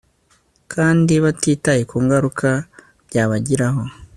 kandi batitaye ku ngaruka bwabagiraho